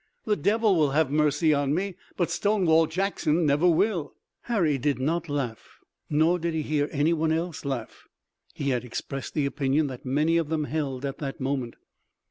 The Devil will have mercy on me, but Stonewall Jackson never will!" Harry did not laugh, nor did he hear anyone else laugh. He had expressed the opinion that many of them held at that moment.